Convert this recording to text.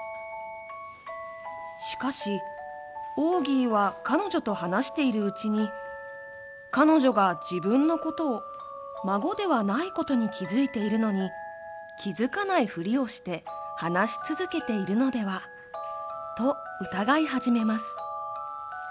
しかしオーギーは彼女と話しているうちに彼女が自分のことを孫ではないことに気付いているのに気付かないふりをして話し続けているのではと疑い始めます。